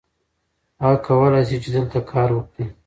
هغه کولی شي چې دلته کار وکړي.